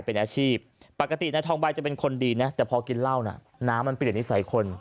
เป็นอาชีพปกตินายทองใบจะเป็นคนดีนะแต่พอกินเหล้าน่ะน้ำมันเปลี่ยนนิสัยคน